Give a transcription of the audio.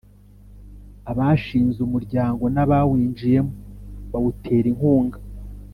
Abashinze umuryango n ‘abawinjiyemo bawutera inkunga.